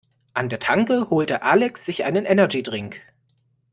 An der Tanke holte Alex sich einen Energy-Drink.